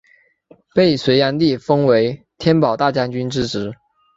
被隋炀帝封为天保大将军之职。